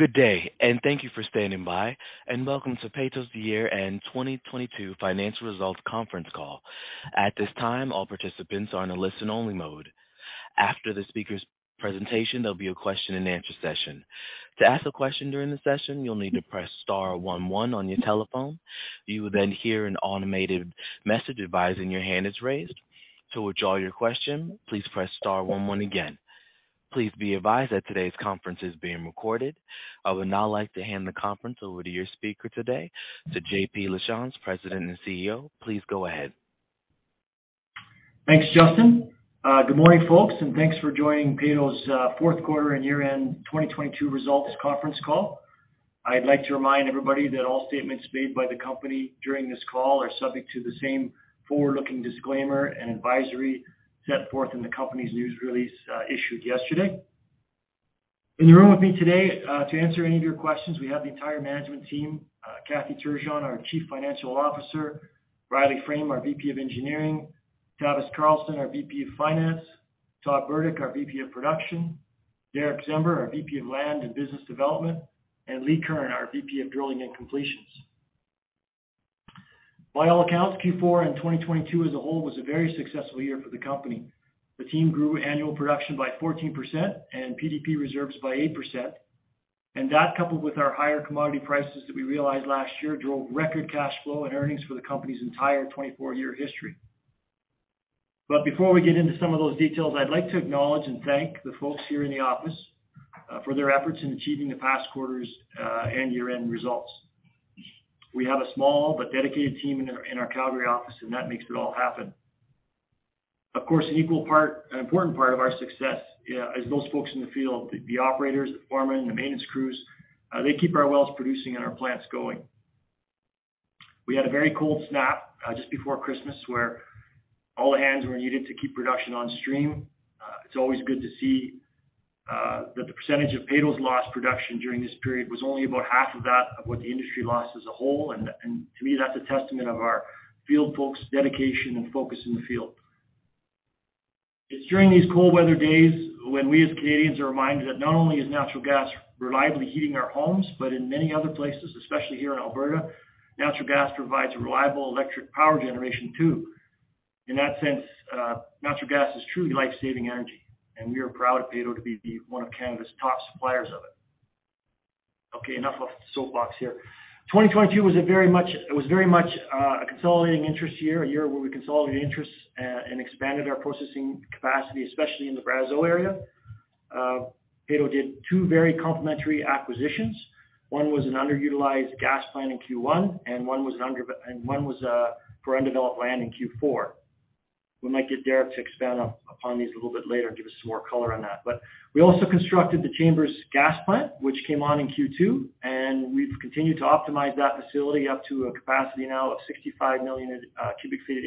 Good day, and thank you for standing by, and welcome to Peyto's Year-End 2022 Financial Results Conference Call. At this time, all participants are in a listen-only mode. After the speaker's presentation, there'll be a question-and-answer session. To ask a question during the session, you'll need to press star one one on your telephone. You will then hear an automated message advising your hand is raised. To withdraw your question, please press star one one again. Please be advised that today's conference is being recorded. I would now like to hand the conference over to your speaker today, to JP Lachance, President and CEO. Please go ahead. Thanks, Justin. good morning, folks, and thanks for joining Peyto's, fourth quarter and year-end 2022 results conference call. I'd like to remind everybody that all statements made by the company during this call are subject to the same forward-looking disclaimer and advisory set forth in the company's news release, issued yesterday. In the room with me today, to answer any of your questions, we have the entire management team, Kathy Turgeon, our Chief Financial Officer, Riley Frame, our VP of Engineering, Tavis Carlson, our VP of Finance, Todd Burdick, our VP of Production, Derick Czember, our VP of Land & Business Development, and Lee Curran, our VP of Drilling & Completions. By all accounts, Q4 and 2022 as a whole was a very successful year for the company. The team grew annual production by 14% and PDP reserves by 8%. That, coupled with our higher commodity prices that we realized last year, drove record cash flow and earnings for the company's entire 24-year history. Before we get into some of those details, I'd like to acknowledge and thank the folks here in the office for their efforts in achieving the past quarter's and year-end results. We have a small but dedicated team in our Calgary office, and that makes it all happen. Of course, an important part of our success is those folks in the field, the operators, the foremen, the maintenance crews, they keep our wells producing and our plants going. We had a very cold snap just before Christmas, where all hands were needed to keep production on stream. It's always good to see that the percentage of Peyto's lost production during this period was only about half of that of what the industry lost as a whole. To me, that's a testament of our field folks' dedication and focus in the field. It's during these cold weather days when we, as Canadians, are reminded that not only is natural gas reliably heating our homes, but in many other places, especially here in Alberta, natural gas provides reliable electric power generation too. In that sense, natural gas is truly life-saving energy, and we are proud at Peyto to be one of Canada's top suppliers of it. Okay, enough of soapbox here. 2022 was very much a consolidating interest year, a year where we consolidated interests and expanded our processing capacity, especially in the Brazeau area. Peyto did two very complementary acquisitions. One was an underutilized gas plant in Q1, one was for undeveloped land in Q4. We might get Derick to expand upon these a little bit later and give us some more color on that. We also constructed the Chambers gas plant, which came on in Q2, and we've continued to optimize that facility up to a capacity now of 65 million cubic feet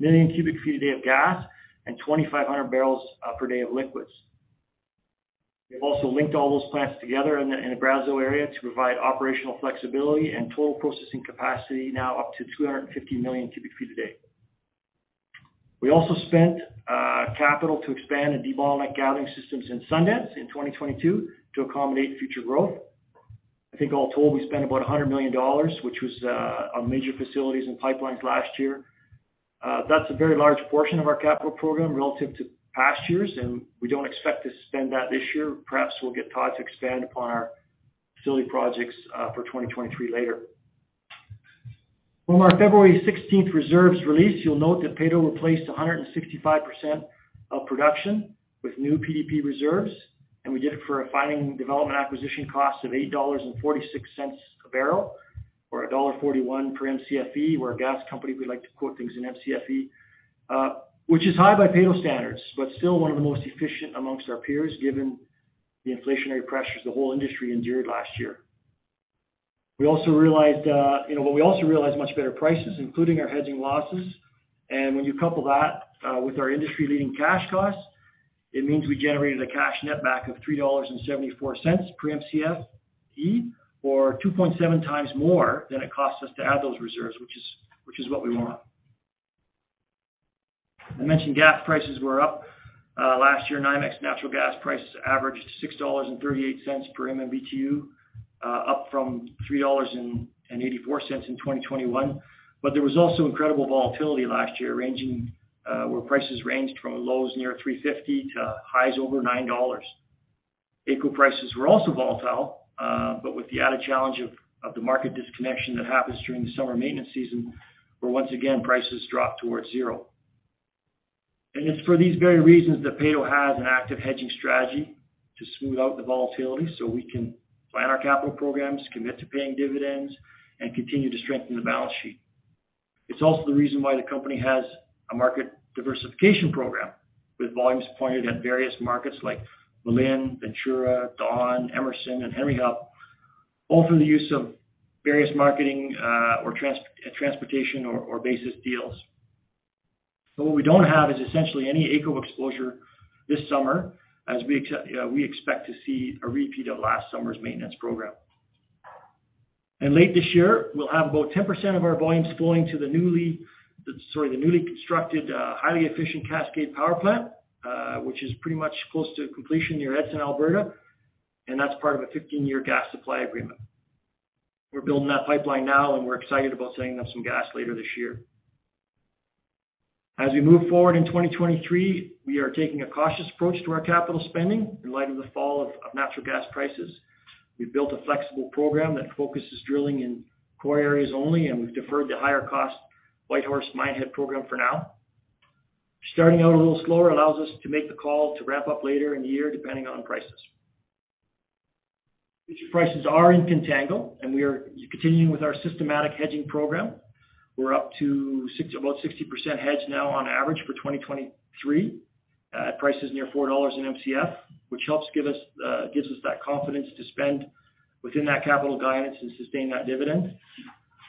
a day of gas and 2,500 barrels per day of liquids. We've also linked all those plants together in the Brazeau area to provide operational flexibility and total processing capacity now up to 250 million cubic feet a day. We also spent capital to expand and develop gathering systems in Sundance in 2022 to accommodate future growth. I think all total, we spent about 100 million dollars, which was on major facilities and pipelines last year. That's a very large portion of our capital program relative to past years, and we don't expect to spend that this year. Perhaps we'll get Todd to expand upon our facility projects for 2023 later. From our February 16th reserves release, you'll note that Peyto replaced 165% of production with new PDP reserves. We did it for a finding, development and acquisition cost of 8.46 dollars a barrel or dollar 1.41 per Mcfe, we're a gas company, we like to quote things in Mcfe. Which is high by Peyto standards, but still one of the most efficient amongst our peers, given the inflationary pressures the whole industry endured last year. We also realized, you know, much better prices, including our hedging losses. When you couple that with our industry-leading cash costs, it means we generated a cash netback of 3.74 dollars per Mcfe or 2.7x more than it costs us to add those reserves, which is what we want. I mentioned gas prices were up last year. NYMEX natural gas prices averaged $6.38 per MMBtu, up from $3.84 in 2021. There was also incredible volatility last year, ranging where prices ranged from lows near $3.50 to highs over $9. AECO prices were also volatile, but with the added challenge of the market disconnection that happens during the summer maintenance season, where once again, prices dropped towards zero. It's for these very reasons that Peyto has an active hedging strategy to smooth out the volatility so we can plan our capital programs, commit to paying dividends, and continue to strengthen the balance sheet. It's also the reason why the company has a market diversification program, with volumes pointed at various markets like Malin, Ventura, Dawn, Emerson, and Henry Hub, all through the use of various marketing, or transportation or basis deals. What we don't have is essentially any AECO exposure this summer, as we expect to see a repeat of last summer's maintenance program. Late this year, we'll have about 10% of our volumes flowing to the newly constructed, highly efficient Cascade Power Plant, which is pretty much close to completion near Edson, Alberta, and that's part of a 15-year gas supply agreement. We're building that pipeline now, and we're excited about setting up some gas later this year. As we move forward in 2023, we are taking a cautious approach to our capital spending in light of the fall of natural gas prices. We've built a flexible program that focuses drilling in core areas only, and we've deferred the higher-cost Whitehorse Minehead program for now. Starting out a little slower allows us to make the call to wrap up later in the year, depending on prices. Future prices are in contango, and we are continuing with our systematic hedging program. We're up to about 60% hedge now on average for 2023 at prices near $4 in Mcf, which helps gives us that confidence to spend within that capital guidance and sustain that dividend.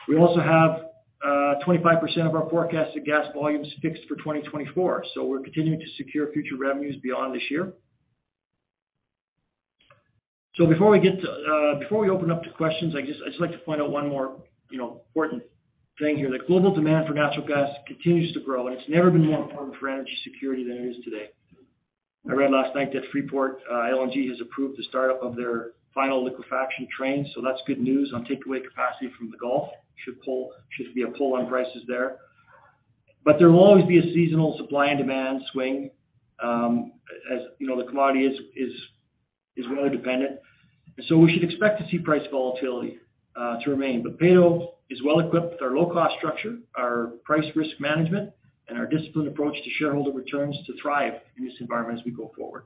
We also have 25% of our forecasted gas volumes fixed for 2024, so we're continuing to secure future revenues beyond this year. Before we open up to questions, I just like to point out one more, you know, important thing here. The global demand for natural gas continues to grow, and it's never been more important for energy security than it is today. I read last night that Freeport LNG has approved the startup of their final liquefaction train, so that's good news on takeaway capacity from the Gulf. Should be a pull on prices there. There will always be a seasonal supply and demand swing, as, you know, the commodity is really dependent. We should expect to see price volatility to remain. Peyto is well equipped with our low-cost structure, our price risk management, and our disciplined approach to shareholder returns to thrive in this environment as we go forward.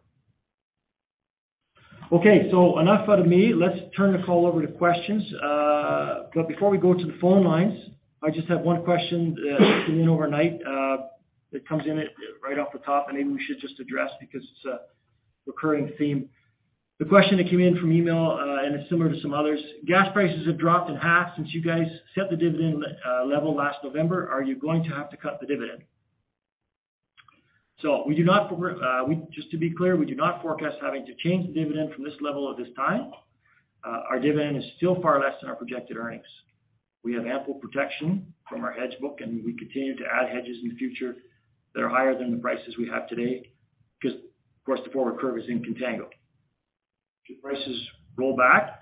Enough out of me. Let's turn the call over to questions. Before we go to the phone lines, I just have one question that came in overnight, that comes in it right off the top, and maybe we should just address because it's a recurring theme. The question that came in from email, it's similar to some others. Gas prices have dropped in half since you guys set the dividend level last November. Are you going to have to cut the dividend? Just to be clear, we do not forecast having to change the dividend from this level at this time. Our dividend is still far less than our projected earnings. We have ample protection from our hedge book, and we continue to add hedges in the future that are higher than the prices we have today because, of course, the forward curve is in contango. Should prices roll back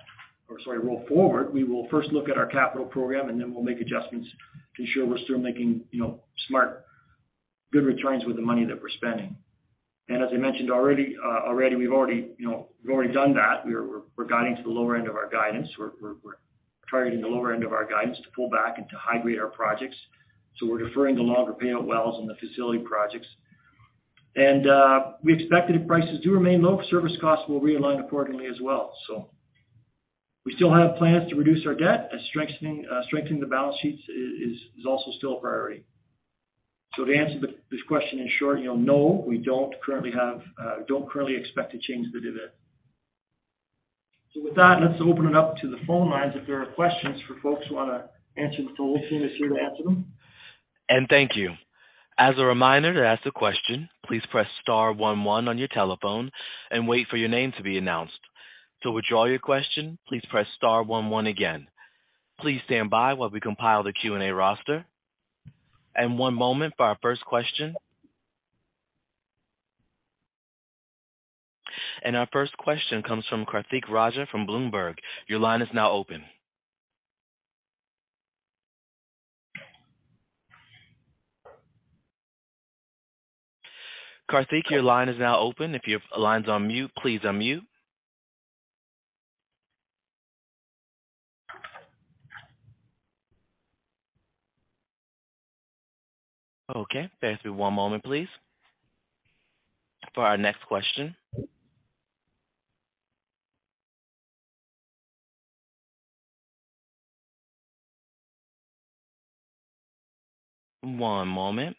or, sorry, roll forward, we will first look at our capital program, and then we'll make adjustments to ensure we're still making, you know, smart, good returns with the money that we're spending. As I mentioned already, we've already, you know, done that. We're guiding to the lower end of our guidance. We're targeting the lower end of our guidance to pull back and to hydrate our projects, so we're deferring the longer payout wells on the facility projects. We expect that if prices do remain low, service costs will realign accordingly as well. We still have plans to reduce our debt, and strengthening the balance sheets is also still a priority. To answer this question in short, you know, no, we don't currently have, don't currently expect to change the dividend. With that, let's open it up to the phone lines. If there are questions for folks who wanna answer, the whole team is here to answer them. Thank you. As a reminder, to ask a question, please press star one one on your telephone and wait for your name to be announced. To withdraw your question, please press star one one again. Please stand by while we compile the Q&A roster. One moment for our first question. Our first question comes from Karthik Rathod from Bloomberg. Your line is now open. Karthik, your line is now open. If your line's on mute, please unmute. Bear with me one moment, please for our next question. One moment.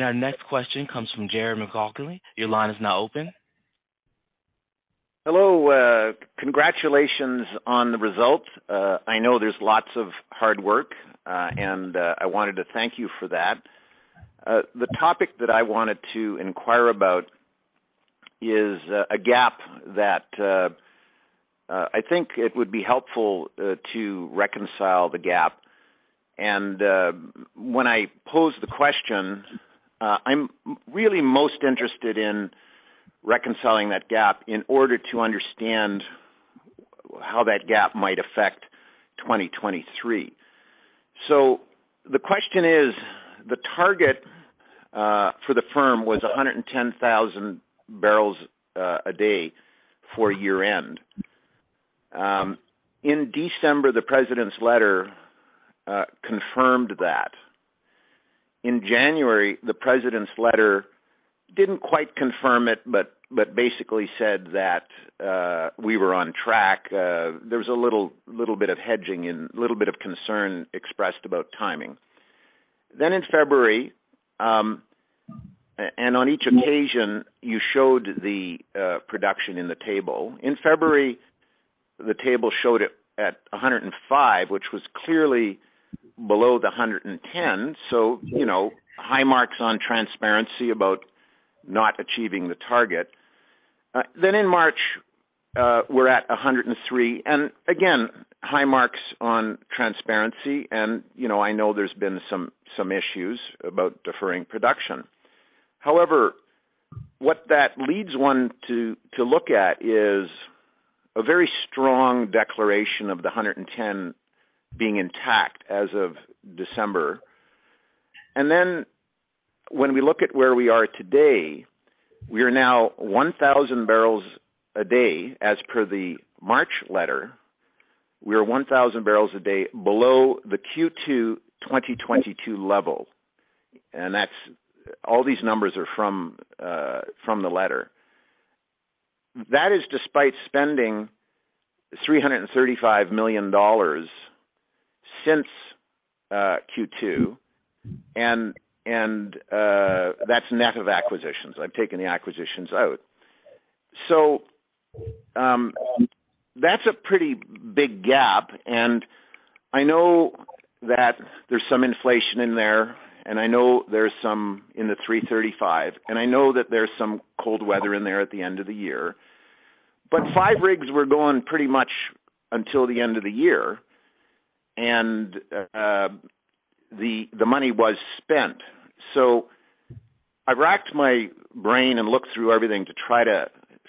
Our next question comes from Gerald Macey. Your line is now open. Hello. Congratulations on the results. I know there's lots of hard work, and I wanted to thank you for that. The topic that I wanted to inquire about is a gap that I think it would be helpful to reconcile the gap. When I pose the question, I'm really most interested in reconciling that gap in order to understand how that gap might affect 2023. The question is, the target for the firm was 110,000 barrels a day for year-end. In December, the president's letter confirmed that. In January, the president's letter didn't quite confirm it, but basically said that we were on track. There was a little bit of hedging and little bit of concern expressed about timing. In February, on each occasion, you showed the production in the table. The table showed it at 105, which was clearly below the 110. You know, high marks on transparency about not achieving the target. Then in March, we're at 103, and again, high marks on transparency. You know, I know there's been some issues about deferring production. However, what that leads one to look at is a very strong declaration of the 110 being intact as of December. Then when we look at where we are today, we are now 1,000 barrels a day as per the March letter. We are 1,000 barrels a day below the Q2 2022 level. All these numbers are from the letter. That is despite spending CAD 335 million since Q2, and that's net of acquisitions. I've taken the acquisitions out. That's a pretty big gap, and I know that there's some inflation in there, and I know there's some in the 335, and I know that there's some cold weather in there at the end of the year. Five rigs were going pretty much until the end of the year, and the money was spent. I racked my brain and looked through everything to try to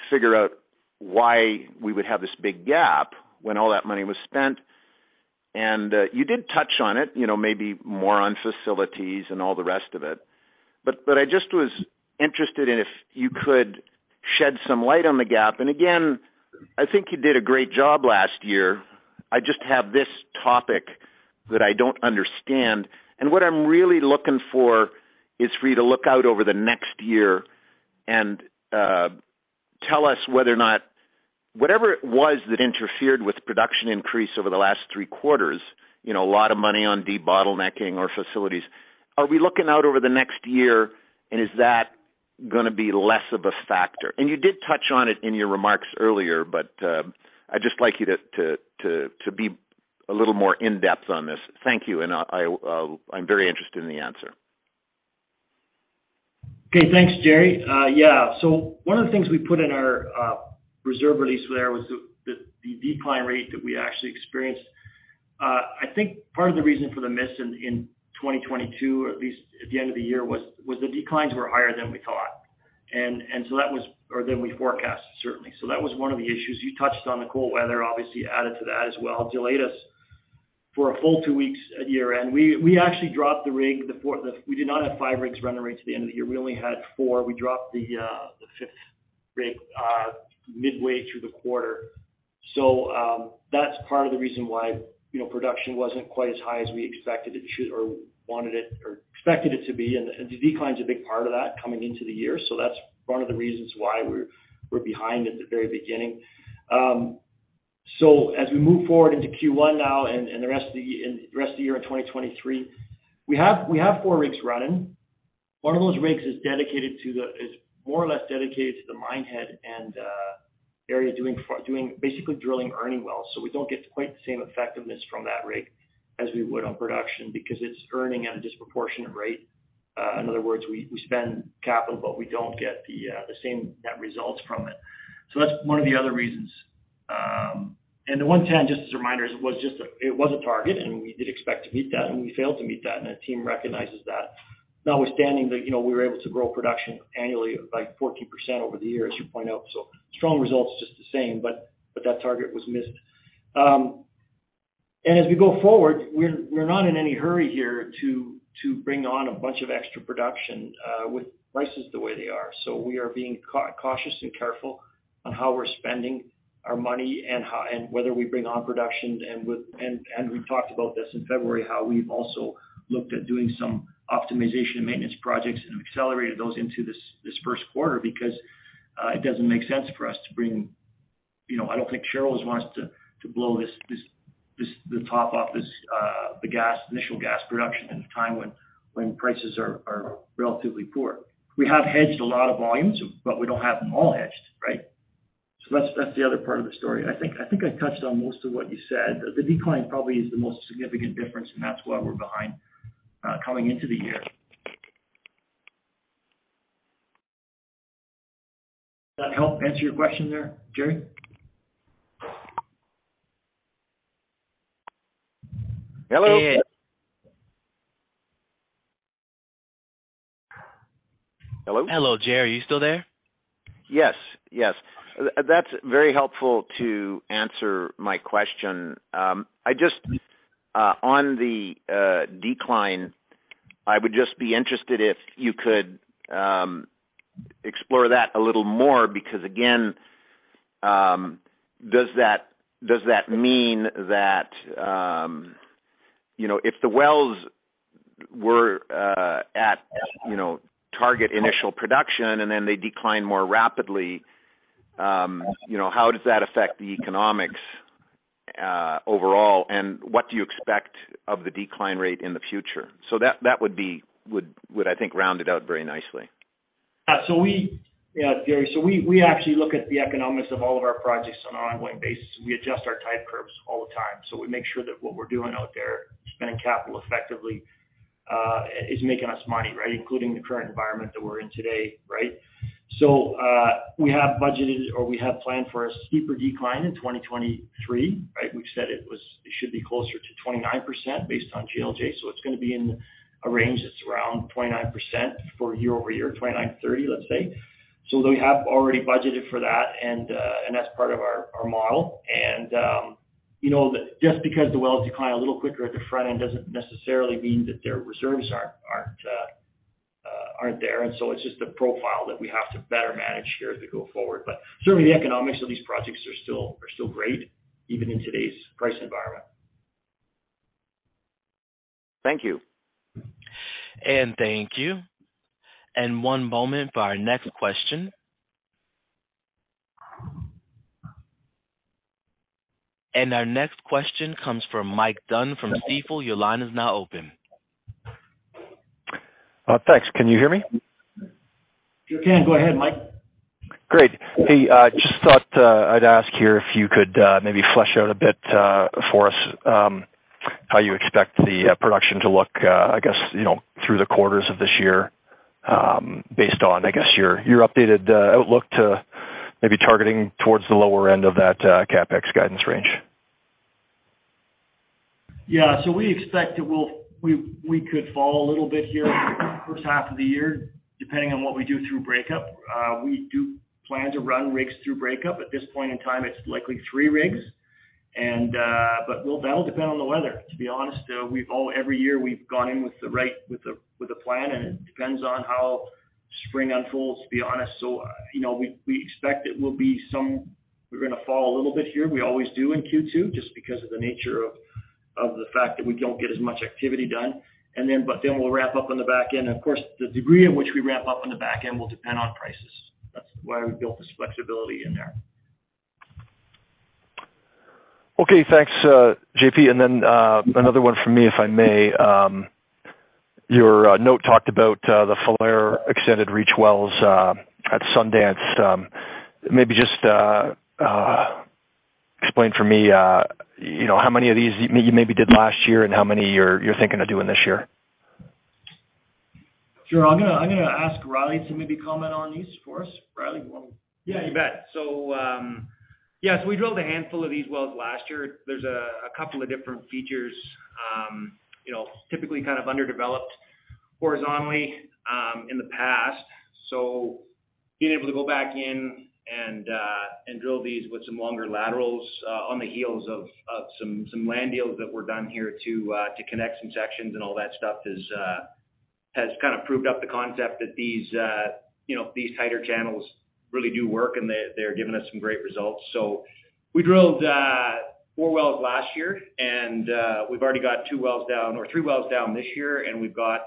figure out why we would have this big gap when all that money was spent. You did touch on it, you know, maybe more on facilities and all the rest of it. I just was interested in if you could shed some light on the gap. Again, I think you did a great job last year. I just have this topic that I don't understand. What I'm really looking for is for you to look out over the next year and tell us whether or not. Whatever it was that interfered with production increase over the last three quarters, you know, a lot of money on debottlenecking or facilities. Are we looking out over the next year, and is that gonna be less of a factor? You did touch on it in your remarks earlier, I'd just like you to be a little more in-depth on this. Thank you. I'm very interested in the answer. Okay. Thanks, Jerry. Yeah. One of the things we put in our reserve release there was the decline rate that we actually experienced. I think part of the reason for the miss in 2022, or at least at the end of the year, was the declines were higher than we thought or than we forecast, certainly. That was one of the issues. You touched on the cold weather, obviously added to that as well, delayed us for a full two weeks at year-end. We actually dropped the rig. We did not have five rigs running right to the end of the year. We only had four. We dropped the fifth rig midway through the quarter. That's part of the reason why, you know, production wasn't quite as high as we expected it should or wanted it or expected it to be. The decline's a big part of that coming into the year. That's part of the reasons why we're behind at the very beginning. As we move forward into Q1 now and the rest of the year in 2023, we have four rigs running. One of those rigs is more or less dedicated to the Minehead area doing basically drilling earning wells. We don't get quite the same effectiveness from that rig as we would on production because it's earning at a disproportionate rate. In other words, we spend capital, but we don't get the same net results from it. That's one of the other reasons. The 110, just as a reminder, it was a target, and we did expect to meet that, and we failed to meet that, and the team recognizes that. Notwithstanding that, you know, we were able to grow production annually by 14% over the year, as you point out, strong results just the same, but that target was missed. As we go forward, we're not in any hurry here to bring on a bunch of extra production with prices the way they are. We are being cautious and careful on how we're spending our money and whether we bring on production. We talked about this in February, how we've also looked at doing some optimization and maintenance projects and accelerated those into this first quarter because it doesn't make sense for us to bring. You know, I don't think Cheryl wants to blow the top off this initial gas production in a time when prices are relatively poor. We have hedged a lot of volumes, but we don't have them all hedged, right? That's the other part of the story. I think I touched on most of what you said. The decline probably is the most significant difference, and that's why we're behind coming into the year. That help answer your question there, Jerry? Hello? Yeah. Hello? Hello. Jerry, are you still there? Yes. Yes. That's very helpful to answer my question. I just, on the decline, I would just be interested if you could explore that a little more, because, again, does that mean that, you know, if the wells were, at, you know, target initial production and then they decline more rapidly, you know, how does that affect the economics, overall? What do you expect of the decline rate in the future? That would, I think, round it out very nicely. Yeah, Gary, we actually look at the economics of all of our projects on an ongoing basis. We adjust our type curves all the time. We make sure that what we're doing out there, spending capital effectively, is making us money, right? Including the current environment that we're in today, right? We have budgeted or we have planned for a steeper decline in 2023, right? We've said it should be closer to 29% based on GLJ. It's gonna be in a range that's around 29% for year-over-year, 29%, 30%, let's say. We have already budgeted for that, and that's part of our model. You know, just because the wells decline a little quicker at the front end doesn't necessarily mean that their reserves aren't there. It's just a profile that we have to better manage here as we go forward. Certainly, the economics of these projects are still great even in today's price environment. Thank you. Thank you. One moment for our next question. Our next question comes from Mike Dunn from Stifel. Your line is now open. Thanks. Can you hear me? We can. Go ahead, Mike. Great. Hey, just thought I'd ask here if you could maybe flesh out a bit for us, how you expect the production to look, I guess, you know, through the quarters of this year, based on, I guess, your updated outlook to maybe targeting towards the lower end of that CapEx guidance range. Yeah. We expect we could fall a little bit here first half of the year, depending on what we do through breakup. We do plan to run rigs through breakup. At this point in time, it's likely three rigs. That'll depend on the weather, to be honest. Every year we've gone in with a plan, and it depends on how spring unfolds, to be honest. You know, we expect we're gonna fall a little bit here. We always do in Q2 just because of the nature of the fact that we don't get as much activity done. We'll wrap up on the back end. Of course, the degree in which we wrap up on the back end will depend on prices. That's why we built this flexibility in there. Okay, thanks, JP. Another one from me, if I may. Your note talked about the Falher extended reach wells at Sundance. Maybe just explain for me, you know, how many of these you maybe did last year and how many you're thinking of doing this year. Sure. I'm gonna ask Riley to maybe comment on these for us. Riley, you want- Yeah, you bet. Yeah, we drilled a handful of these wells last year. There's a couple of different features, you know, typically kind of underdeveloped horizontally, in the past. Being able to go back in and drill these with some longer laterals, on the heels of some land deals that were done here to connect some sections and all that stuff is has kind of proved up the concept that these, you know, these tighter channels really do work, and they're giving us some great results. We drilled four wells last year, and we've already got two wells down or three wells down this year, and we've got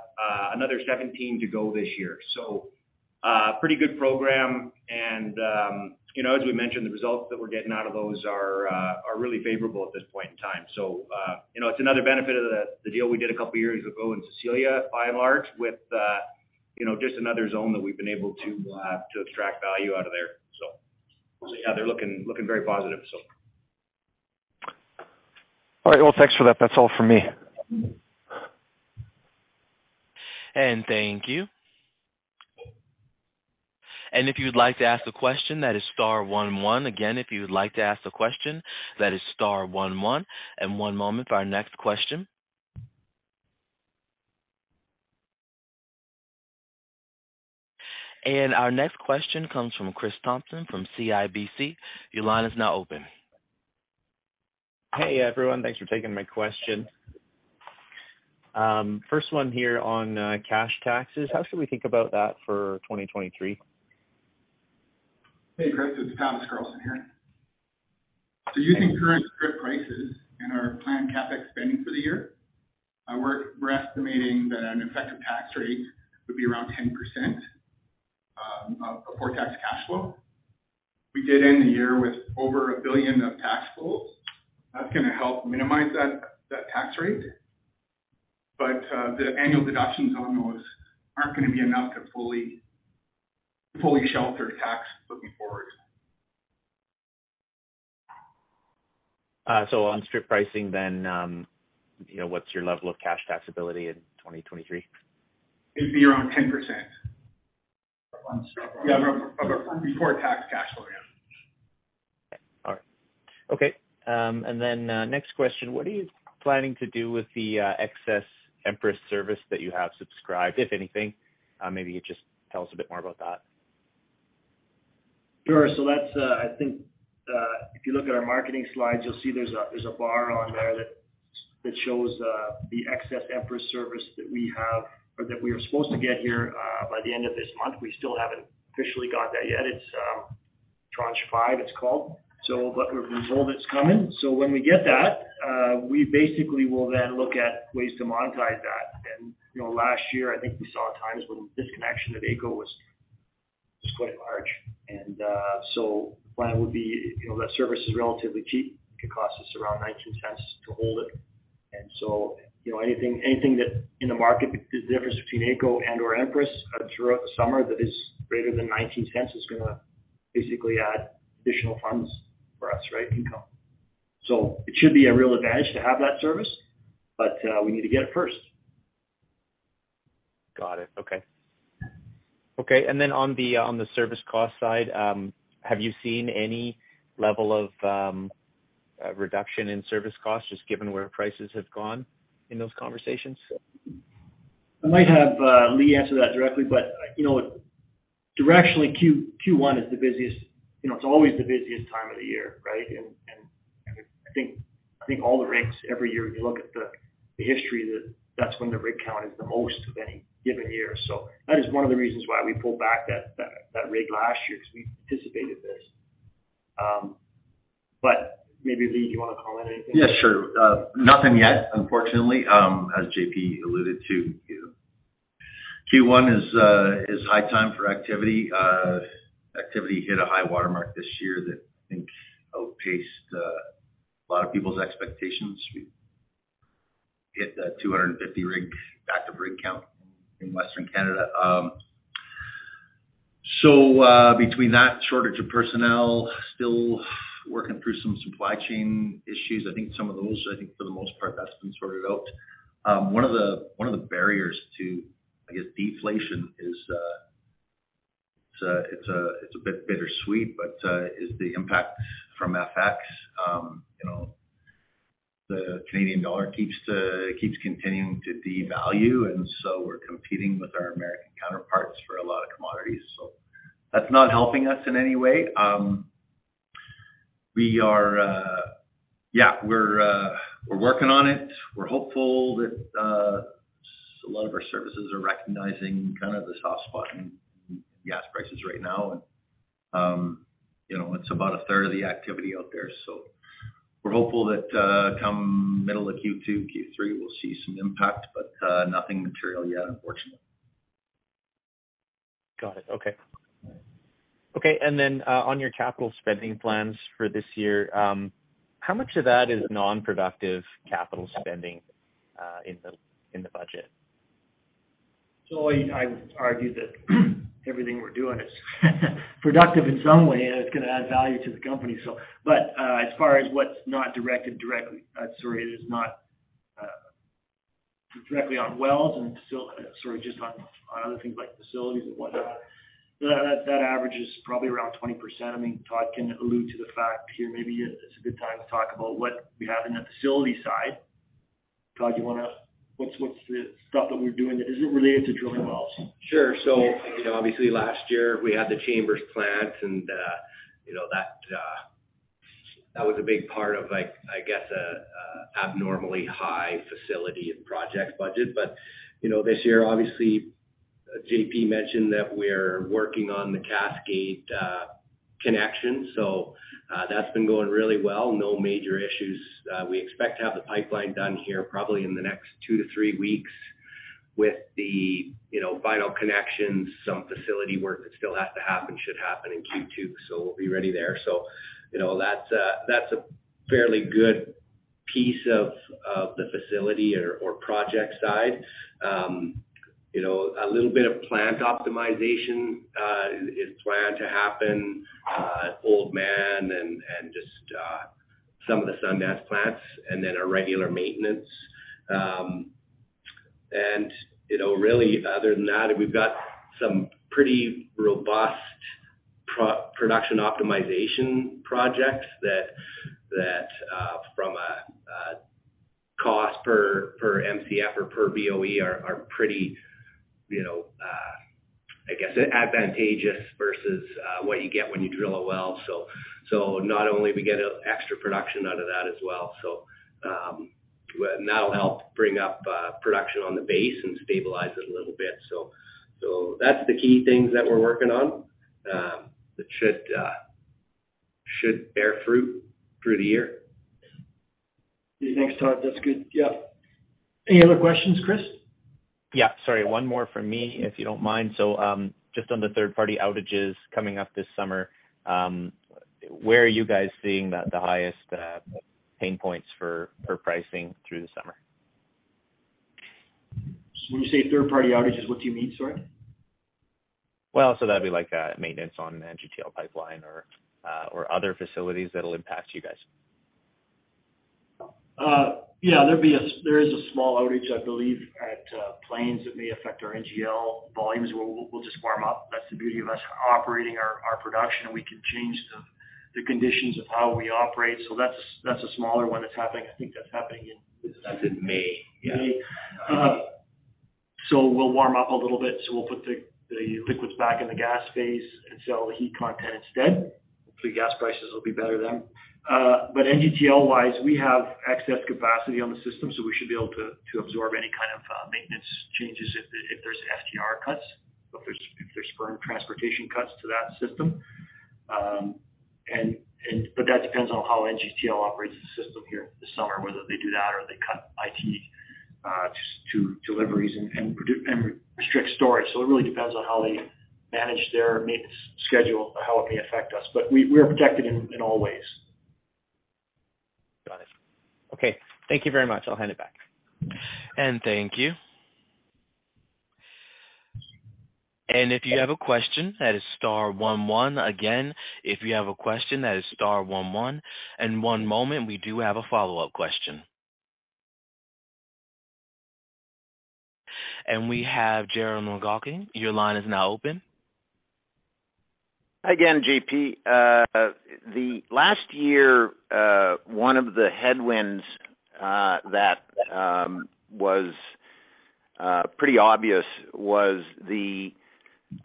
another 17 to go this year. Pretty good program. You know, as we mentioned, the results that we're getting out of those are really favorable at this point in time. You know, it's another benefit of the deal we did two years ago in Cecilia, by and large, with, you know, just another zone that we've been able to extract value out of there. Yeah, they're looking very positive, so. All right. Well, thanks for that. That's all for me. Thank you. If you'd like to ask a question, that is star one one. Again, if you'd like to ask a question, that is star one one. One moment for our next question. Our next question comes from Chris Thompson from CIBC. Your line is now open. Hey, everyone. Thanks for taking my question. First one here on cash taxes. How should we think about that for 2023? Hey, Chris. It's Tavis Carlson here. Using current strip prices and our planned CapEx spending for the year, we're estimating that an effective tax rate would be around 10% of pretax cash flow. We did end the year with over 1 billion of tax pools. That's gonna help minimize that tax rate. The annual deductions on those aren't gonna be enough to fully shelter tax looking forward. On strip pricing, you know, what's your level of cash taxability in 2023? It'd be around 10%. Of our pretax. Yeah, of our pretax cash flow, yeah. All right. Okay. Next question. What are you planning to do with the excess Empress service that you have subscribed, if anything? Maybe you could just tell us a bit more about that. Sure. That's, I think, if you look at our marketing slides, you'll see there's a bar on there that shows the excess Empress service that we have or that we are supposed to get here by the end of this month. We still haven't officially got that yet. It's Tranche five, it's called. But we've been told it's coming. When we get that, we basically will then look at ways to monetize that. You know, last year, I think we saw times when the disconnection to AECO was quite large. The plan would be, you know, that service is relatively cheap. It could cost us around 0.19 to hold it. You know, anything that in the market, the difference between AECO and/or Empress, throughout the summer that is greater than 0.19 is gonna basically add additional funds for us, right? Income. It should be a real advantage to have that service, but we need to get it first. Got it. Okay. Okay. On the service cost side, have you seen any level of reduction in service costs just given where prices have gone in those conversations? I might have Lee answer that directly, you know, directionally Q1 is the busiest. You know, it's always the busiest time of the year, right? I think all the rigs every year, if you look at the history, that's when the rig count is the most of any given year. That is one of the reasons why we pulled back that rig last year, 'cause we anticipated this. Maybe Lee, do you wanna comment anything? Yes, sure. Nothing yet, unfortunately. As JP alluded to, Q1 is high time for activity. Activity hit a high watermark this year that I think outpaced a lot of people's expectations. We hit the 250 rig, active rig count in Western Canada. So, between that shortage of personnel, still working through some supply chain issues, I think some of those, I think for the most part, that's been sorted out. One of the, one of the barriers to, I guess, deflation is, it's a, it's a, it's a bit bittersweet, but, is the impact from FX. You know, the Canadian dollar keeps continuing to devalue, and so we're competing with our American counterparts for a lot of commodities. That's not helping us in any way. We are, yeah, we're working on it. We're hopeful that a lot of our services are recognizing kind of this hotspot in gas prices right now. You know, it's about a third of the activity out there. We're hopeful that come middle of Q2, Q3, we'll see some impact, but nothing material yet, unfortunately. Got it. Okay. Okay. On your capital spending plans for this year, how much of that is non-productive capital spending in the budget? I argue that everything we're doing is productive in some way, and it's gonna add value to the company. As far as what's not directed directly, sorry, it is not directly on wells and Sorry, just on other things like facilities and whatnot. That averages probably around 20%. I mean, Todd can allude to the fact here. Maybe it's a good time to talk about what we have in the facility side. Todd, you wanna... What's the stuff that we're doing that isn't related to drilling wells? Sure. You know, obviously last year, we had the Chambers plant and, you know, that was a big part of, like, I guess, abnormally high facility and project budget. You know, this year, obviously, JP mentioned that we're working on the Cascade connection, that's been going really well. No major issues. We expect to have the pipeline done here probably in the next two-three weeks with the, you know, final connections, some facility work that still has to happen, should happen in Q2, so we'll be ready there. You know, that's a fairly good piece of the facility or project side. You know, a little bit of plant optimization is planned to happen at Oldman and some of the Sundance plants and then our regular maintenance. You know, really other than that, we've got some pretty robust production optimization projects that from a cost per MCF or per BOE are pretty, you know, I guess advantageous versus what you get when you drill a well. Not only we get extra production out of that as well. That'll help bring up production on the base and stabilize it a little bit. That's the key things that we're working on that should bear fruit through the year. Thanks, Todd. That's good. Yeah. Any other questions, Chris? Yeah. Sorry, one more from me, if you don't mind. Just on the third-party outages coming up this summer, where are you guys seeing the highest pain points for pricing through the summer? When you say third-party outages, what do you mean? Sorry. So that'd be like, maintenance on an NGTL pipeline or other facilities that'll impact you guys. Yeah, there is a small outage, I believe, at Plains that may affect our NGL volumes. We'll just warm up. That's the beauty of us operating our production, and we can change the conditions of how we operate. That's, that's a smaller one that's happening. I think that's happening in- That's in May. Yeah. May. We'll warm up a little bit, so we'll put the liquids back in the gas phase and sell the heat content instead. Hopefully, gas prices will be better then. NGTL-wise, we have excess capacity on the system, so we should be able to absorb any kind of maintenance changes if there's FGR cuts, if there's firm transportation cuts to that system. That depends on how NGTL operates the system here this summer, whether they do that or they cut IT capacity to deliveries and restrict storage. It really depends on how they manage their maintenance schedule, how it may affect us. We are protected in all ways. Got it. Okay. Thank you very much. I'll hand it back. Thank you. If you have a question, that is star one one. Again, if you have a question, that is star one one. One moment, we do have a follow-up question. We have Gerald MacKaye. Your line is now open. Again, JP. The last year, one of the headwinds that was pretty obvious was the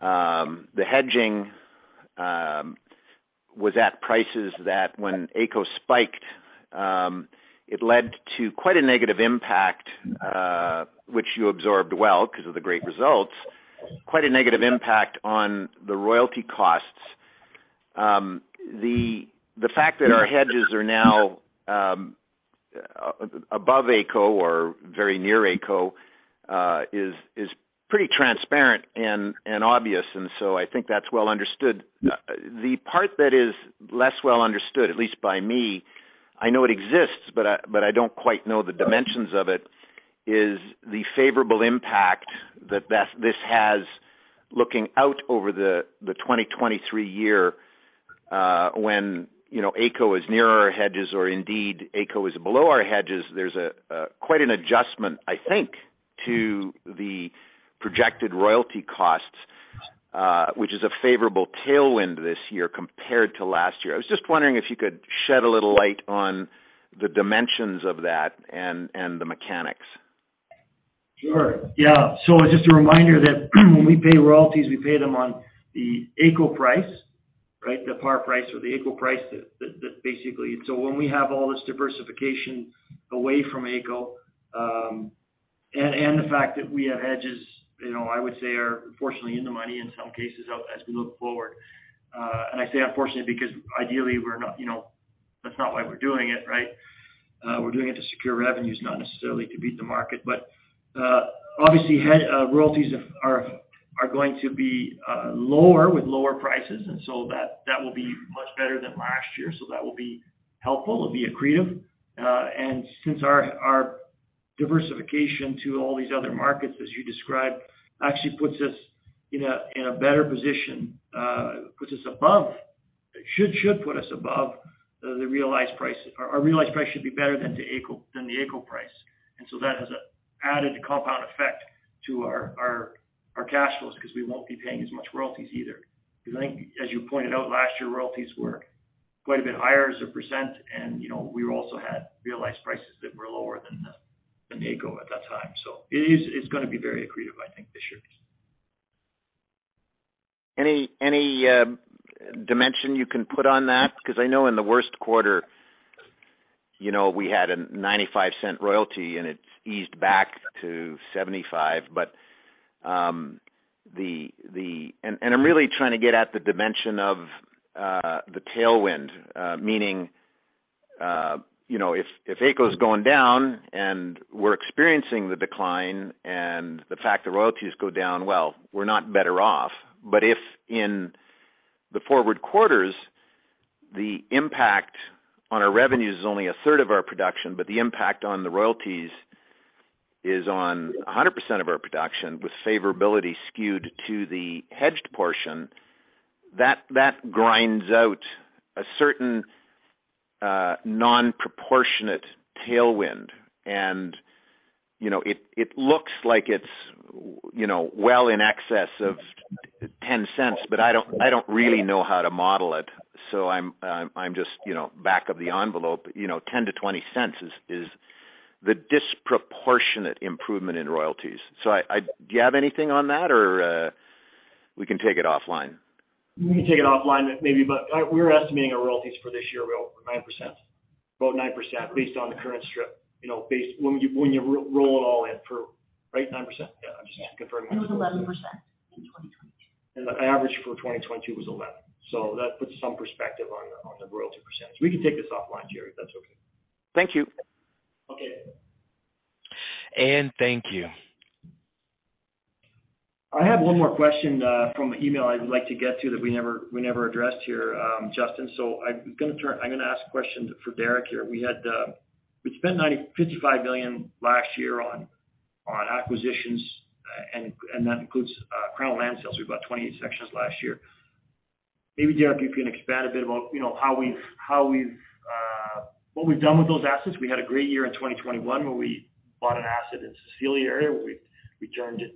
hedging was at prices that when AECO spiked, it led to quite a negative impact, which you absorbed well, because of the great results, quite a negative impact on the royalty costs. The fact that our hedges are now above AECO or very near AECO is pretty transparent and obvious. I think that's well understood. The part that is less well understood, at least by me, I know it exists, but I don't quite know the dimensions of it, is the favorable impact that this has looking out over the 2023 year, when, you know, AECO is near our hedges, or indeed AECO is below our hedges. There's a quite an adjustment, I think, to the projected royalty costs, which is a favorable tailwind this year compared to last year. I was just wondering if you could shed a little light on the dimensions of that and the mechanics. Sure. Yeah. Just a reminder that when we pay royalties, we pay them on the AECO price, right? The par price or the AECO price. When we have all this diversification away from AECO, and the fact that we have hedges, you know, I would say are unfortunately in the money in some cases as we look forward. I say unfortunately, because ideally, we're not, you know, that's not why we're doing it, right? We're doing it to secure revenues, not necessarily to beat the market. Obviously, hedge royalties are going to be lower with lower prices, that will be much better than last year. That will be helpful. It'll be accretive. Since our diversification to all these other markets, as you described, actually puts us in a better position, puts us above, should put us above the realized price. Our realized price should be better than the AECO, than the AECO price. That has an added compound effect to our cash flows because we won't be paying as much royalties either. I think, as you pointed out, last year, royalties were quite a bit higher as a percent. You know, we also had realized prices that were lower than the, than the AECO at that time. It is, it's gonna be very accretive, I think, this year. Any, any dimension you can put on that? Because I know in the worst quarter, you know, we had a $0.95 royalty and it's eased back to $0.75. I'm really trying to get at the dimension of the tailwind, meaning, you know, if AECO's going down and we're experiencing the decline and the fact the royalties go down, well, we're not better off. If in the forward quarters, the impact on our revenues is only a third of our production, but the impact on the royalties is on 100% of our production with favorability skewed to the hedged portion, that grinds out a certain non-proportionate tailwind. You know, it looks like it's, you know, well in excess of $0.10, but I don't really know how to model it. I'm just, you know, back of the envelope, you know, 0.10-0.20 is the disproportionate improvement in royalties. I. Do you have anything on that or, we can take it offline? We can take it offline maybe, but we're estimating our royalties for this year, we're 9%. About 9% based on the current strip. You know, when you roll it all in for... Right, 9%? Yeah, I'm just confirming. It was 11% in 2022. The average for 2022 was 11. That puts some perspective on the royalty %. We can take this offline, Jerry, if that's okay. Thank you. Okay. Thank you. I have one more question from email I'd like to get to that we never addressed here, Justin. I'm gonna ask a question for Derick here. We had we spent 55 million last year on acquisitions, and that includes Crown land sales. We bought 28 sections last year. Maybe, Derick, you can expand a bit about, you know, what we've done with those assets. We had a great year in 2021 where we bought an asset in Cecilia area, where we turned it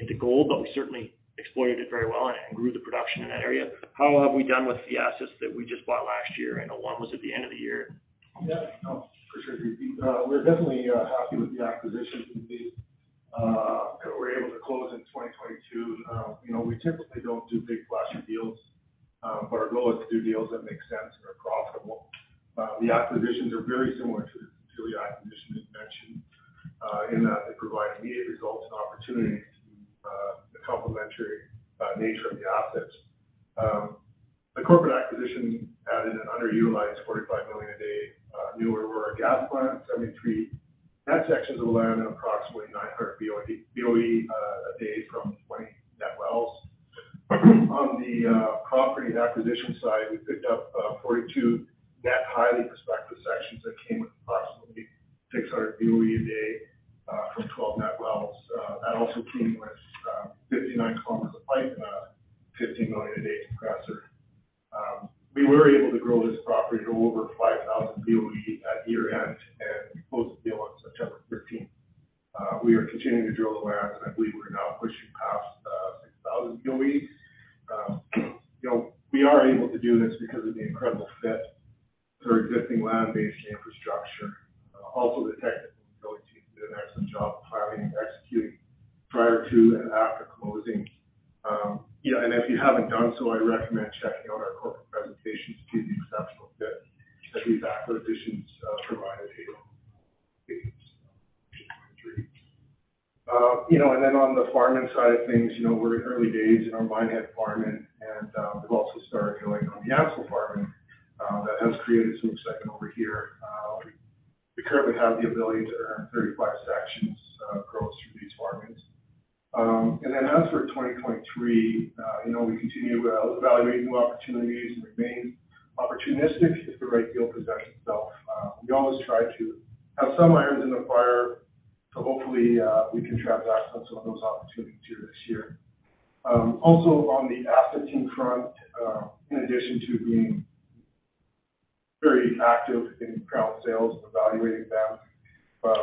into gold, but we certainly exploited it very well and grew the production in that area. How have we done with the assets that we just bought last year? I know one was at the end of the year. Yeah. No, for sure. We're definitely happy with the acquisitions we were able to close in 2022. You know, we typically don't do big flashy deals, our goal is to do deals that make sense and are profitable. The acquisitions are very similar to the Cecilia acquisition you mentioned, in that they provide immediate results and opportunities. Complementary nature of the assets. The corporate acquisition added an underutilized 45 million a day, newer Aurora gas plant, 73 net sections of land and approximately 900 BOE a day from 20 net wells. On the property and acquisition side, we picked up 42 net highly prospective sections that came with approximately 600 BOE a day, from 12 net wells. That also came with 59 kilometers of pipe and a 15 million a day compressor. We were able to grow this property to over 5,000 BOE at year-end, and we closed the deal on September 13th. We are continuing to drill the wells. I believe we're now pushing past 6,000 BOE. You know, we are able to do this because of the incredible fit to our existing land base and infrastructure. Also, the technical ability team did an excellent job of planning and executing prior to and after closing. Yeah, if you haven't done so, I recommend checking out our corporate presentations to the exceptional fit that these acquisitions provided 2023. You know, on the farm-in side of things, you know, we're in early days in our Minehead farm-in, we've also started going on the Ansell farm-in that has created some excitement over here. We currently have the ability to earn 35 sections gross through these farm-ins. As for 2023, you know, we continue evaluating new opportunities and remain opportunistic if the right deal presents itself. We always try to have some irons in the fire to hopefully we can transact on some of those opportunities here this year. Also on the asset team front, in addition to being very active in crown sales and evaluating them,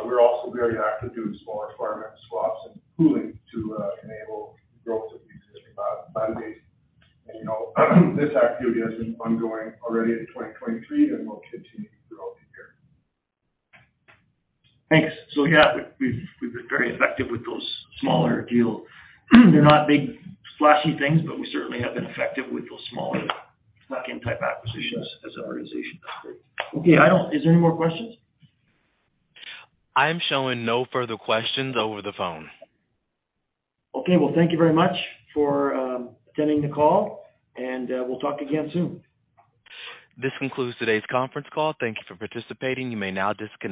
we're also very active doing smaller farm-in swaps and pooling to enable growth of the existing land base. You know, this activity has been ongoing already in 2023, and we'll continue throughout the year. Thanks. Yeah, we've been very effective with those smaller deals. They're not big splashy things, but we certainly have been effective with those smaller back-end type acquisitions as an organization. That's great. Okay. Is there any more questions? I am showing no further questions over the phone. Thank you very much for attending the call, and we'll talk again soon. This concludes today's conference call. Thank you for participating. You may now disconnect.